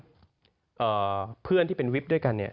เพื่อนที่เป็นวิปด้วยกันเนี่ย